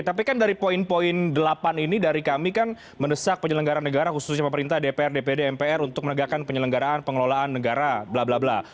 tapi kan dari poin poin delapan ini dari kami kan mendesak penyelenggara negara khususnya pemerintah dpr dpd mpr untuk menegakkan penyelenggaraan pengelolaan negara bla bla bla